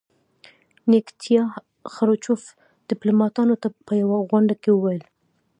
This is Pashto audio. نیکیتیا خروچوف ډیپلوماتانو ته په یوه غونډه کې وویل.